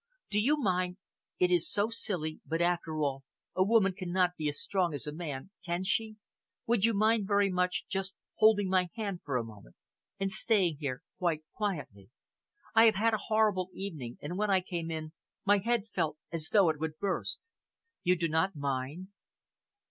Do you mind it is so silly, but after all a woman cannot be as strong as a man, can she? would you mind very much just holding my hand for a moment and staying here quite quietly. I have had a horrible evening, and when I came in, my head felt as though it would burst. You do not mind?"